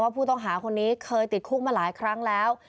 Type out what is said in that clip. ผู้ต้องหาคนนี้เคยติดคุกมาหลายครั้งแล้ว